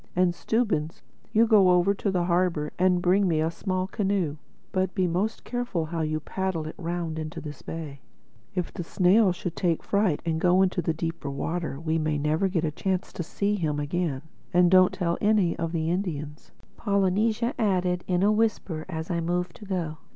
And Stubbins, you go over to the harbor and bring me a small canoe. But be most careful how you paddle it round into this bay. If the snail should take fright and go out into the deeper water, we may never get a chance to see him again." "And don't tell any of the Indians," Polynesia added in a whisper as I moved to go.